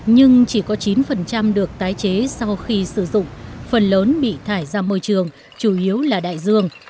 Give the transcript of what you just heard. nhưng chỉ có chín được tái chế sau khi sử dụng phần lớn bị thải ra môi trường chủ yếu là đại dương